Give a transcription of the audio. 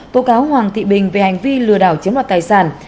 tố cáo hoàng thị bình về hành vi lừa đảo chiếm đoạt tài sản